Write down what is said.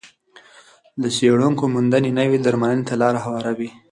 د څېړونکو موندنې نوې درملنې ته لار هواروي.